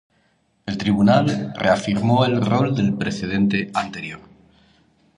El tribunal reafirmó el rol del precedente anterior.